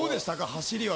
走りは。